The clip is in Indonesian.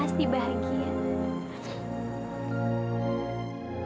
harusnya aku bahagia karena aku tahu